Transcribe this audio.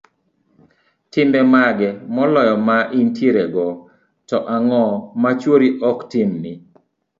timbe mage moloyo ma intierego, to ang'o ma chuori ok timni?